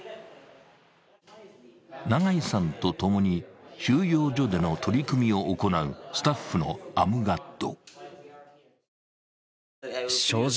永井さんと共に収容所での取り組みを行うスタッフのアムガッド。